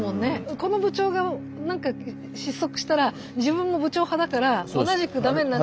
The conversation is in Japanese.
この部長がなんか失速したら自分も部長派だから同じくダメになっちゃう。